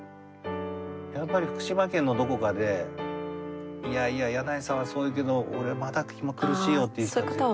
やっぱり福島県のどこかでいやいや箭内さんはそう言うけど俺まだ苦しいよっていう人は絶対。